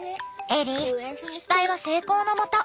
エリー失敗は成功のもと。